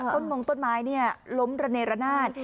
มงต้นไม้ล้มระเนรนาศ